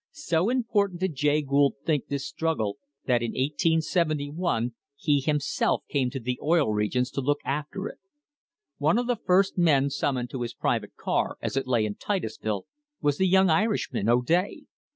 So important did Jay Gould think this struggle that in 1871 he himself came to the Oil Regions to look after it. One of the first men sum moned to his private car as it lay in Titusville was the young Irishman, O'Day.